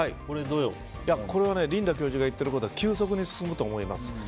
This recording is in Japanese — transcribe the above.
リンダ教授が言っていることは急速に進むと思います。